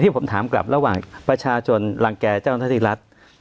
ที่ผมถามกลับระหว่างประชาจนหลังแก่เจ้านทธรษหรัฐ